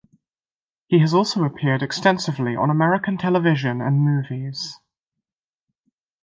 He has also appeared extensively on American television and movies.